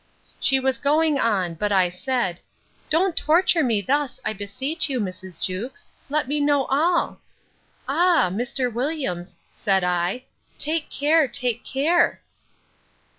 She was going on; but I said, Don't torture me thus, I beseech you, Mrs. Jewkes. Let me know all!—Ah! Mr. Williams, said I, take care, take care!